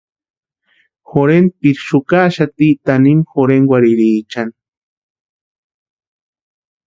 Jorhenpiri xukaaxati tanimu jorhenkwarhiriechani.